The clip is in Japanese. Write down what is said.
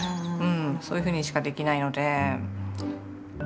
うんそういうふうにしかできないので。